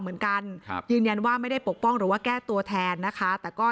เหมือนกันครับยืนยันว่าไม่ได้ปกป้องหรือว่าแก้ตัวแทนนะคะแต่ก็